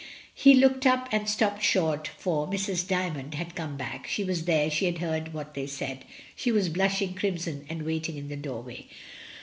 He looked up and stopped short, for "Mrs. Dymond" had come back, she was there, she had heard what they said. She was blushing crimson and waiting in the doorway.